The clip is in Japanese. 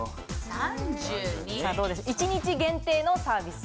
３２？一日限定のサービス。